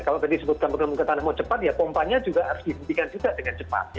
kalau tadi sebutkan pemperdikai tanah mau cepat ya pompanya juga harus dihentikan juga dengan cepat